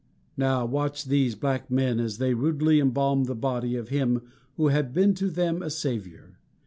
Now watch these black men as they rudely embalm the body of him who had been to them a savior.